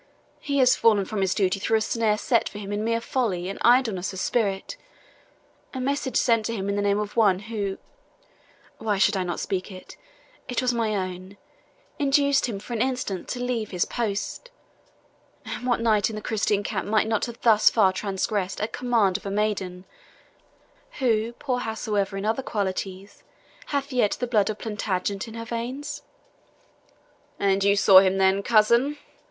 He has fallen from his duty through a snare set for him in mere folly and idleness of spirit. A message sent to him in the name of one who why should I not speak it? it was in my own induced him for an instant to leave his post. And what knight in the Christian camp might not have thus far transgressed at command of a maiden, who, poor howsoever in other qualities, hath yet the blood of Plantagenet in her veins?" "And you saw him, then, cousin?"